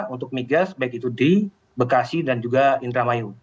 untuk migas baik itu di bekasi dan juga indramayu